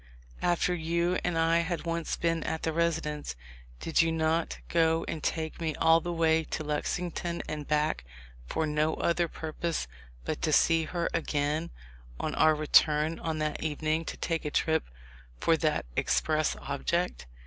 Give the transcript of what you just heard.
After you and I had once been at the residence, did you not go and take me all the way to Lexing ton and back for no other purpose but to get to see her again on our return on that evening to take a trip for that express object?"